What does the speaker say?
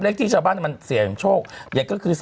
เลขที่ชาวบ้านมันเสี่ยงโชคเยอะก็คือ๓๘